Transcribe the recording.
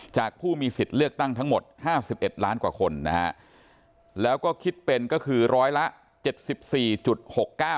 ผู้มีสิทธิ์เลือกตั้งทั้งหมดห้าสิบเอ็ดล้านกว่าคนนะฮะแล้วก็คิดเป็นก็คือร้อยละเจ็ดสิบสี่จุดหกเก้า